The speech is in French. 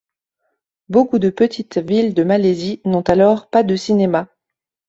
Beaucoup de petites villes de Malaisie n'ont alors pas de cinémas.